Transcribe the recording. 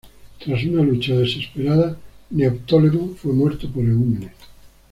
Tras una lucha desesperada, Neoptólemo fue muerto por Eumenes.